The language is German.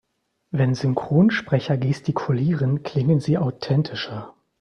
Wenn Synchronsprecher gestikulieren, klingen sie authentischer.